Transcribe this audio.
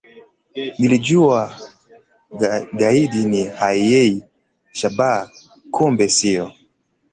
nilijua gaidi ni Al Shabaab, kumbe sio